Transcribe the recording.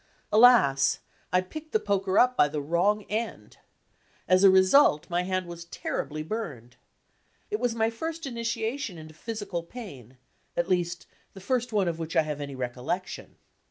Aias, I picked the poker up by the wrong end! As a result, my hand was terribly burned. It was my first initia tion into physical pain, at least, the first one of which I have any recollection.